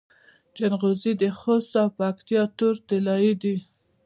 جلغوزي د خوست او پکتیا تور طلایی دي